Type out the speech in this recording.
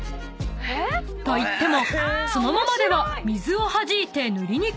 ［といってもそのままでは水を弾いて塗りにくい］